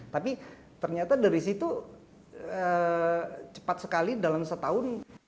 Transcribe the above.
tapi ternyata dari situ cepat sekali dalam setahun